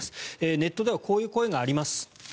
ネットではこういう声があります。